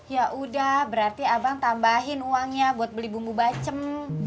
ya udah berarti abang tambahin uangnya buat beli bumbu bacem